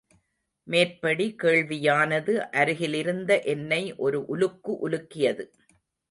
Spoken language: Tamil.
மேற்படி கேள்வியானது அருகிலிருந்த என்னை ஒரு உலுக்கு உலுக்கியது.